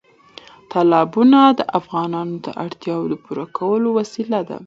تالابونه د افغانانو د اړتیاوو د پوره کولو وسیله ده.